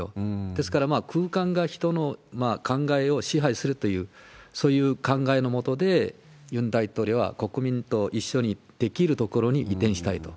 ですから、空間が人の考えを支配するという、そういう考えのもとで、ユン大統領は、国民と一緒にできる所に移転したいと。